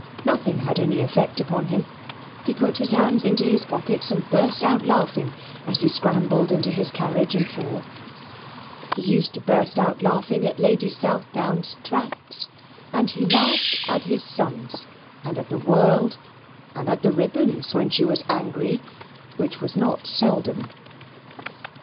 Nothing had any effect upon him; he put his hands into his pockets, and burst out laughing, as he scrambled into his carriage and four; he used to burst out laughing at Lady Southdown's tracts; and he laughed at his sons, and at the world, and at the Ribbons when she was angry, which was not seldom.